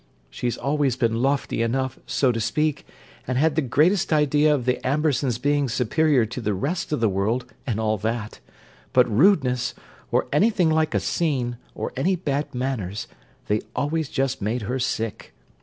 She's always been lofty enough, so to speak, and had the greatest idea of the Ambersons being superior to the rest of the world, and all that, but rudeness, or anything like a 'scene,' or any bad manners—they always just made her sick!